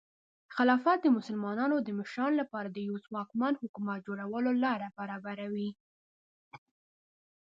خلافت د مسلمانانو د مشرانو لپاره د یوه ځواکمن حکومت جوړولو لاره برابروي.